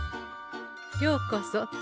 ようこそ銭